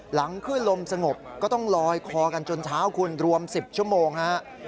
หลังขึ้นลมสงบก็ต้องลอยคอกันจนเช้าคุณรวม๑๐ชั่วโมงฮะ